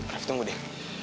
rev tunggu deh